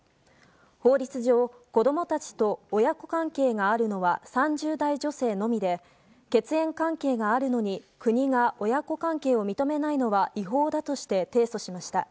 法律上子供たちと親子関係があるのは３０代女性のみで血縁関係があるのに国が親子関係を認めないのは違法だとして提訴しました。